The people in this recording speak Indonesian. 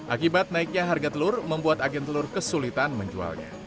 akibat naiknya harga telur membuat agen telur kesulitan menjualnya